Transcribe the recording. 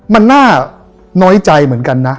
มันน่าน้อยใจเหมือนกันนะ